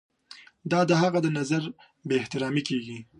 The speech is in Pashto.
دا د هغه د نظر بې احترامي کیږي.